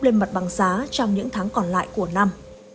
lên mặt bằng giá trong những tháng còn lại của năm